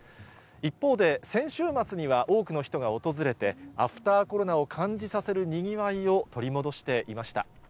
一方で、先週末には多くの人が訪れて、アフターコロナを感じさせるにぎわいを取り戻していました。